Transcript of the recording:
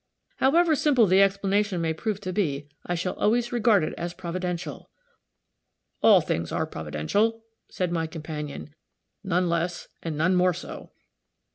"However simple the explanation may prove to be, I shall always regard it as Providential." "All things are Providential," said my companion, "none less, and none more so.